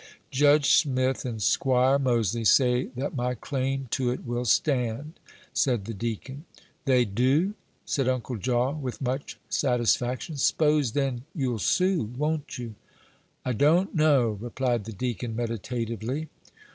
"Judge Smith and 'Squire Moseley say that my claim to it will stand," said the deacon. "They do?" said Uncle Jaw, with much satisfaction; "s'pose, then, you'll sue, won't you?" "I don't know," replied the deacon, meditatively.